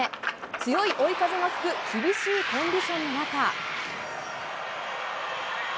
強い追い風の吹く厳しいコンディションの中。